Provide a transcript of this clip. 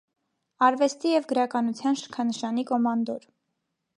Արվեստի և գրականության շքանշանի կոմանդոր։